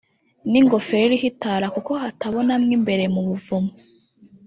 n’ingofero iriho itara kuko hatabona mu imbere mu buvumo